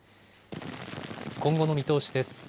今後の見通しです。